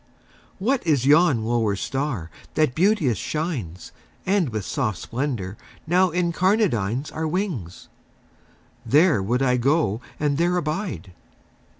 What is yon lower star that beauteous shines And with soft splendor now incarnadines Our wings? There would I go and there abide."